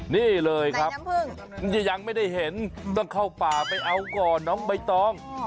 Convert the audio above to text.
นี่เลยครับยังไม่ได้เห็นต้องเข้าป่าไปเอาก่อนน้องใบตอง